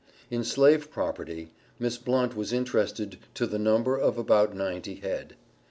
In slave property Miss Blunt was interested to the number of about "ninety head."